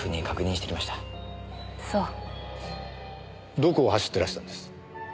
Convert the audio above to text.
どこを走ってらしたんです？